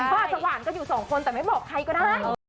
เขาอาจจะหวานกันอยู่สองคนแต่ไม่บอกใครก็ได้